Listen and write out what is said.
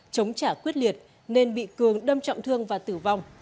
chống trả quyết liệt nên bị cường đâm trọng thương và tử vong